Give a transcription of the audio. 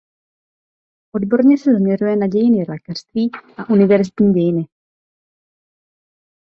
Odborně se zaměřuje na dějiny lékařství a univerzitní dějiny.